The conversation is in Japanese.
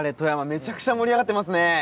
めちゃくちゃ盛り上がってますね。